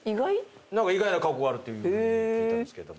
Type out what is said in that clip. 意外な過去があるっていうふうに聞いたんですけど。